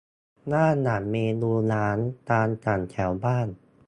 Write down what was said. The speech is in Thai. ด้านหลังเมนูร้านตามสั่งแถวบ้าน